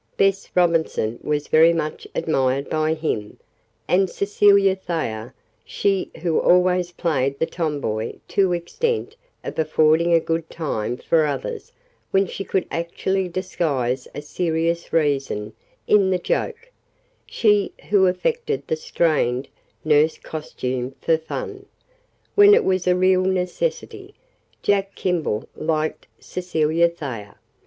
Bess Robinson was very much admired by him; and Cecilia Thayer, she who always played the tomboy to the extent of affording a good time for others when she could actually disguise a serious reason in the joke, she who affected the "strained" nurse costume for fun, when it was a real necessity Jack Kimball liked Cecilia Thayer.